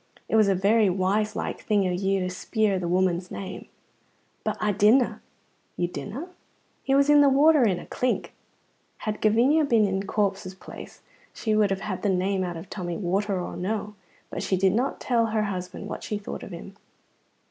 It was a very wise like thing o' you to speir the woman's name." "But I didna." "You didna!" "He was in the water in a klink." Had Gavinia been in Corp's place she would have had the name out of Tommy, water or no water; but she did not tell her husband what she thought of him.